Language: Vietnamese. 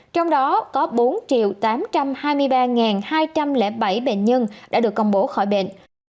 trong đó có bốn tám trăm hai mươi ba hai trăm linh bảy bệnh nhân đã được công bố khỏi bệnh